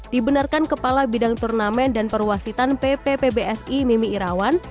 dibenarkan kepala bidang turnamen dan perwasitan pppbsi mimi irawan